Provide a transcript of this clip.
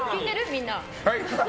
みんな。